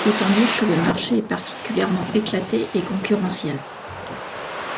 Autant dire que le marché est particulièrement éclaté et concurrentiel.